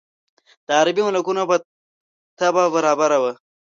د عربي ملکونو په طبع برابره وه.